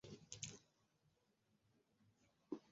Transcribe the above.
Lugha yake ya kwanza ni Kiingereza na Kihispania.